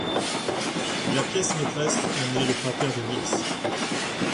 La pièce maîtresse en est le cratère de Vix.